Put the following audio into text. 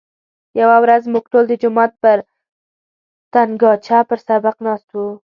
یوه ورځ موږ ټول د جومات پر تنګاچه پر سبق ناست وو.